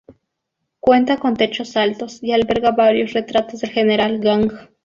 Cuenta con techos altos, y alberga varios retratos del general Gang.